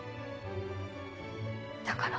だから。